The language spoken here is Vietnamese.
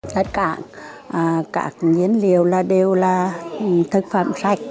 tất cả các nhiên liệu đều là thực phẩm sạch